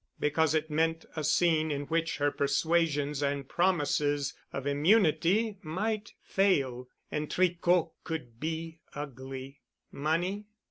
Because it meant a scene in which her persuasions and promises of immunity might fail, and Tricot could be ugly. Money?